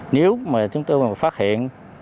nếu mà chúng tôi mà phát hiện